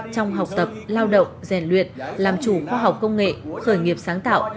trong học tập lao động rèn luyện làm chủ khoa học công nghệ khởi nghiệp sáng tạo